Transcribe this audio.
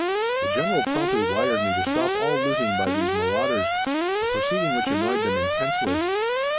The General promptly wired me to stop all looting by these marauders a proceeding which annoyed them intensely.